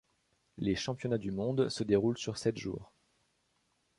Les championnats du monde se déroulent sur sept jours.